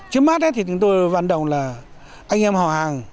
trước mắt chúng tôi văn đồng là anh em họ hàng